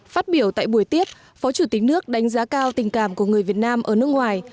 phát biểu tại buổi tiết phó chủ tịch nước đánh giá cao tình cảm của người việt nam ở nước ngoài